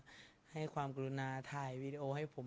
ขอบคุณมากที่ให้ความกรุณาถ่ายวีดีโอให้ผม